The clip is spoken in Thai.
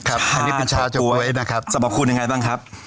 อันนี้เป็นชาก๊วยนะครับสรรพคุณยังไงบ้างครับ